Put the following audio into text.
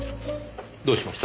どうしました？